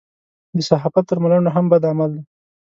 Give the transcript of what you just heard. د صحافت تر ملنډو هم بد عمل دی.